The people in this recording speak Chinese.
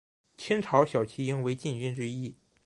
清朝骁骑营为禁军之一。